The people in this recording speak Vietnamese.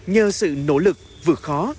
nhờ sự nỗ lực vượt khó